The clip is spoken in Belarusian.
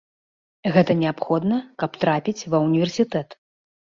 Гэта неабходна, каб трапіць ва ўніверсітэт.